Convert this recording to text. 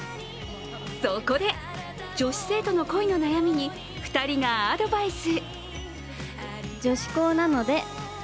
そこで女子生徒の恋の悩みに２人がアドバイス。